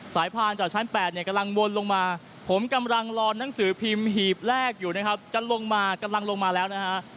พานจากชั้น๘เนี่ยกำลังวนลงมาผมกำลังรอนังสือพิมพ์หีบแรกอยู่นะครับจะลงมากำลังลงมาแล้วนะฮะ